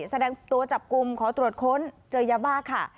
แสดงตัวจับกลุ่มขอตรวจค้นเจอยาบ้าค่ะ